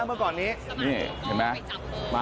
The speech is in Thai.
เห็นไหม